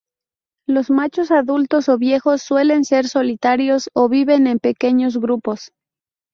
Los machos adultos o viejos suelen ser solitarios o viven en pequeños grupos.